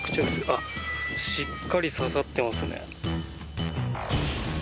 あっしっかり刺さってますね。